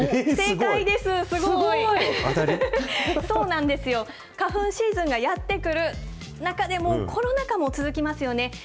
そうなんですよ、花粉シーズンがやって来る、中でもコロナ禍も続きますよね。